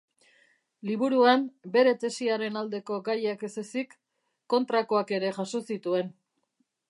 Liburuan bere tesiaren aldeko gaiak ez ezik, kontrakoak ere jaso zituen.